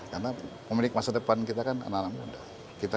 karena memiliki masa depan kita kan anak anak muda